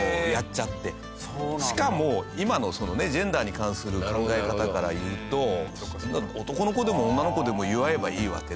しかも今のそのねジェンダーに関する考え方からいうと男の子でも女の子でも祝えばいいわけで。